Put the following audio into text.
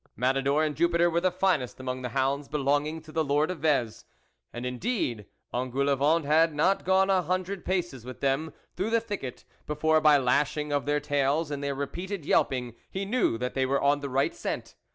Matador and Jupiter were the finest among the hounds belonging to the Lord of Vez. And indeed, Engoulevent had not gone a hun dred paces with them through the thicket, before, by the lashing of their tails, and their repeated yelping, he knew that they were on the right scent.